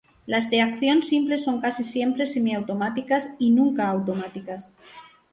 Las de acción simple son casi siempre semiautomáticas y nunca automáticas.